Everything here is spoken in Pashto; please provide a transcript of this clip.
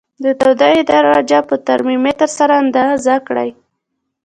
د تودوخې درجه په ترمامتر سره اندازه کړئ.